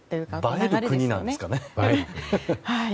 映える国なんですかね。